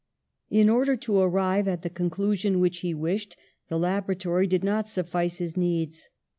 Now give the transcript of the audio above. In order to arrive at the conclusion which he wished the laboratory did not suflice his needs.